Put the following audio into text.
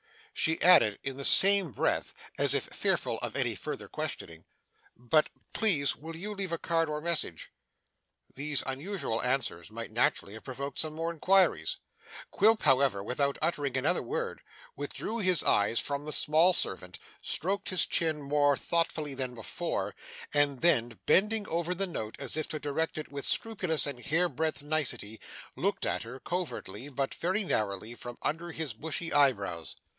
She added in the same breath, as if fearful of any further questioning, 'But please will you leave a card or message?' These unusual answers might naturally have provoked some more inquiries. Quilp, however, without uttering another word, withdrew his eyes from the small servant, stroked his chin more thoughtfully than before, and then, bending over the note as if to direct it with scrupulous and hair breadth nicety, looked at her, covertly but very narrowly, from under his bushy eyebrows.